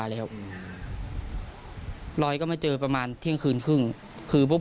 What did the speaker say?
จากนี้คิดว่ามันจะกลับมาอยู่หรือเปล่า